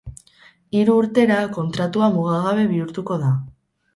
Hiru urtera, kontratua mugagabe bihurtuko da.